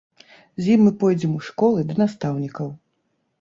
З ім мы пойдзем у школы, да настаўнікаў.